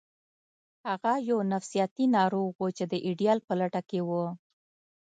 هغه یو نفسیاتي ناروغ و چې د ایډیال په لټه کې و